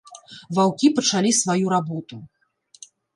Ваўкі пачалі сваю работу.